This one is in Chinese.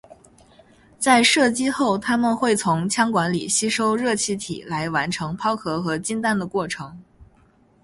在射击后它们会从枪管里吸收热气体来完成抛壳和进弹的过程。